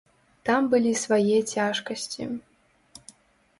Там былі свае цяжкасці.